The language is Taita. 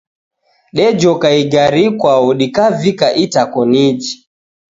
Dejoka igari ikwau, dikavika itakoniji.